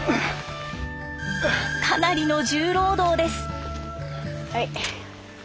かなりの重労働です。